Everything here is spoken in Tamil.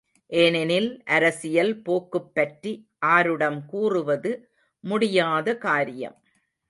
ஏனெனில், அரசியல் போக்குப் பற்றி ஆருடம் கூறுவது முடியாத காரியம்.